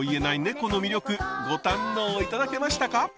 この魅力ご堪能頂けましたか？